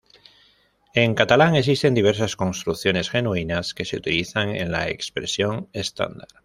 En catalán existen diversas construcciones genuinas que se utilizan en la expresión estándar.